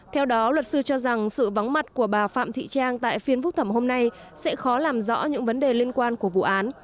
theo đó luật sư cho rằng sự vắng mặt của bà phạm thị trang tại phiên phúc thẩm hôm nay sẽ khó làm rõ những vấn đề liên quan của vụ án